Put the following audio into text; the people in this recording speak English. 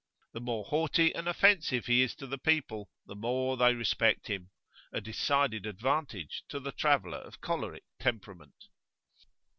The more haughty and offensive he is to the people, the more they respect him; a decided advantage to the traveller of choleric temperament.